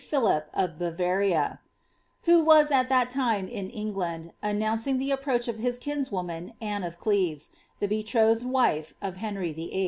Philip of Bavaria^^ who was at that time in England, annoaoeiDg the approach of his kinswoman, Anne of CieYes, the betrothed wife of Henry VIII.'